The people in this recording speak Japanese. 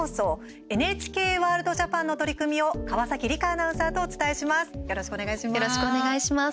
ＮＨＫワールドＪＡＰＡＮの取り組みを川崎理加アナウンサーとお伝えします。